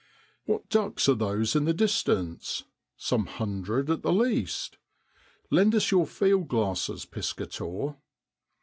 What ducks are those in the distance some hundred at the least ? Lend us your field glasses, Piscator.